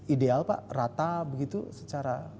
ideal pak rata begitu secara